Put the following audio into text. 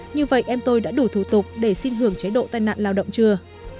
như vậy em tôi đã đủ thủ tục để xin hưởng chế độ tai nạn lao động chưa